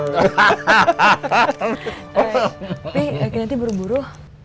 tapi kinanti buru buru